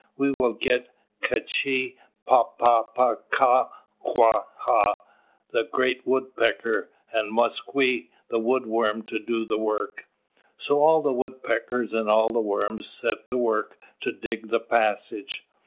We will get 'K'chī Pā pā kā quā hā,' the Great Woodpecker, and Moskwe, the Wood Worm, to do the work." So all the woodpeckers and all the worms set to work to dig the passage.